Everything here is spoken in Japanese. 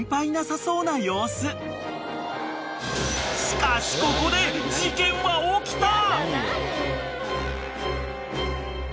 ［しかしここで事件は起きた！］